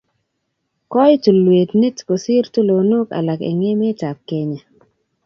koi tulwet niit kosir tulonok alak eng' emet ab kenya